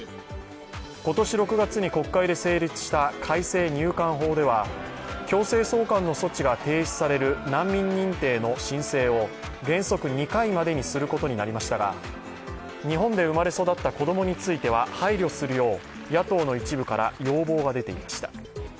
今年６月に国会で成立した改正入管法では強制送還の措置が停止される難民認定の申請を原則２回までにすることになりましたが日本で生まれ育った子供については配慮するよう野党の一部から要望が出ていました。